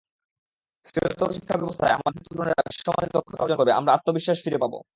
শ্রেয়তর শিক্ষাব্যবস্থায় আমাদের তরুণেরা বিশ্বমানের দক্ষতা অর্জন করবে, আমরা আত্মবিশ্বাস ফিরে পাব।